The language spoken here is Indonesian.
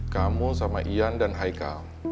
kamu sama ian dan haika